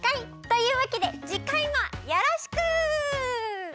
というわけでじかいもよろしく！